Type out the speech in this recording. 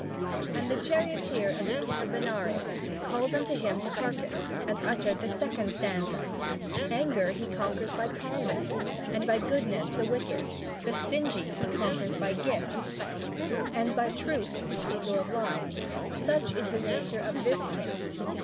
And then the charioteer of the king of Benares called unto him to hearken, and uttered the Second Stanza: "Anger he conquers by calmness, And by goodness the wicked; The stingy he conquers by gifts, And by truth the speaker of lies. Such is the nature of this king!